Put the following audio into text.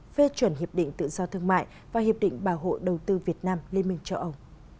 phê chuẩn hiệp định tự do thương mại và hiệp định bảo hộ đầu tư việt nam liên minh châu âu